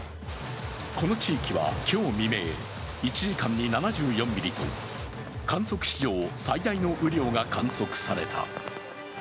この地域は今日未明、１時間７４ミリと観測史上最大の雨量が観測された。